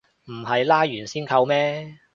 唔係拉完先扣咩